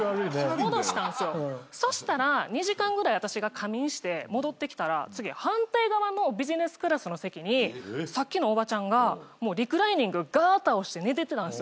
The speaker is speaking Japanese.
戻したんすよそしたら２時間ぐらい私が仮眠して戻ってきたら次反対側のビジネスクラスの席にさっきのおばちゃんがもうリクライニングガーッ倒して寝てたんすよ